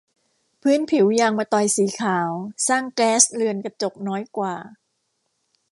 พื้นผิวยางมะตอยสีขาวสร้างแก๊สเรือนกระจกน้อยกว่า